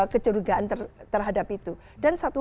kecurigaan terhadap itu dan satu